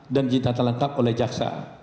dan diterima lengkap oleh jaksa